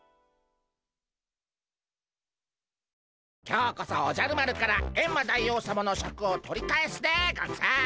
今日こそおじゃる丸からエンマ大王さまのシャクを取り返すでゴンス！